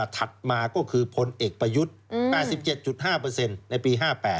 ประยุทธ์๘๗๕ในปี๕๘